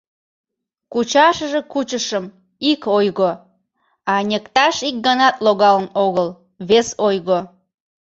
— Кучашыже кучышым — ик ойго, а ньыкташ ик ганат логалын огыл — вес ойго.